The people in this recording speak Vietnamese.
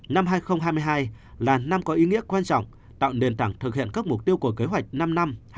năm hai nghìn hai mươi hai là năm có ý nghĩa quan trọng tạo nền tảng thực hiện các mục tiêu của kế hoạch năm năm hai nghìn hai mươi hai nghìn hai mươi năm